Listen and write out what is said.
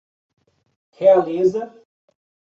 Realeza